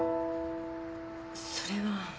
それは。